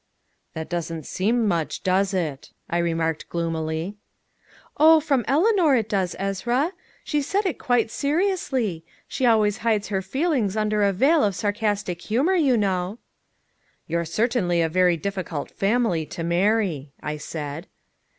"That doesn't seem much, does it?" I remarked gloomily. "Oh, from Eleanor it does, Ezra. She said it quite seriously. She always hides her feelings under a veil of sarcastic humor, you know." "You're certainly a very difficult family to marry," I said.